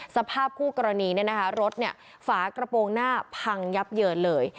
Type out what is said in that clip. สภาพคู่กรณีรถฝากระโปรงหน้าพังยับเยินเลย